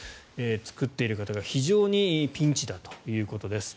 作っている方が非常にピンチだということです。